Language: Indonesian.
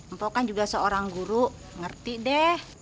mpo kan juga seorang guru ngerti deh